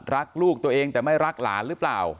รักลูกแต่ไม่รักล้านหรือเปล่า